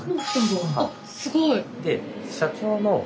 あすごい！